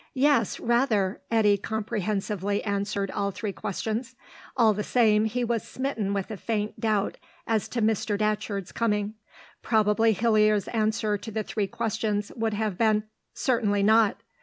"Yes, rather," Eddy comprehensively answered all three questions. All the same he was smitten with a faint doubt as to Mr. Datcherd's coming. Probably Hillier's answer to the three questions would have been "Certainly not."